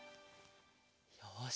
よし！